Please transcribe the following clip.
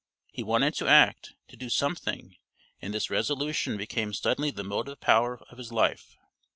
He wanted to act, to do something, and this resolution became suddenly the motive power of his life.